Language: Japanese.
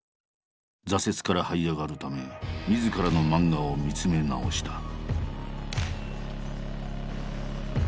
挫折からはい上がるためみずからの漫画を見つめ直した。